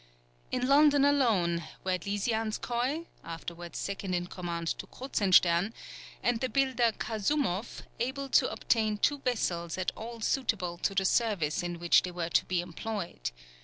In London alone were Lisianskoï, afterwards second in command to Kruzenstern, and the builder Kasoumoff, able to obtain two vessels at all suitable to the service in which they were to be employed.